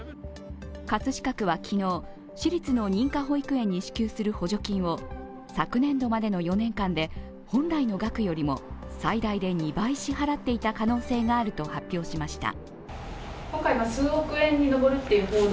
葛飾区は昨日、私立の認可保育園に支給する補助金を昨年度までの４年間で本来の額よりも最大で２倍支払っていた可能性があると発表しました。